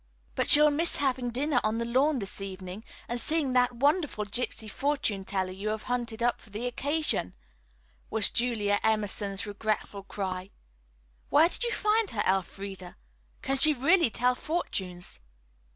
"But she'll miss having dinner on the lawn this evening and seeing that wonderful gypsy fortune teller you have hunted up for the occasion," was Julia Emerson's regretful cry. "Where did you find her, Elfreda? Can she really tell fortunes?"